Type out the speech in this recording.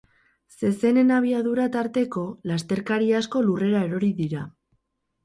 Zezenen abiadura tarteko, lasterkari asko lurrera erori dira.